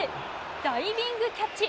ダイビングキャッチ！